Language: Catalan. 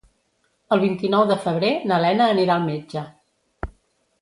El vint-i-nou de febrer na Lena anirà al metge.